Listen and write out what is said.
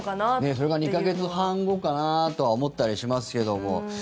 それが２か月半後かなとは思ったりしますけども。